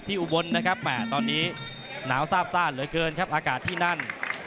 อุบลนะครับแหม่ตอนนี้หนาวซาบซ่านเหลือเกินครับอากาศที่นั่น